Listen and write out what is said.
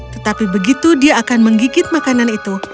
tetapi begitu dia akan menggigit makanan itu